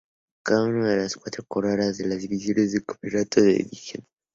Cada uno de las cuatro coronas de las divisiones es un campeón de división.